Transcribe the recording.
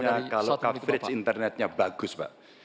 inilah hebatnya kalau coverage internetnya bagus bapak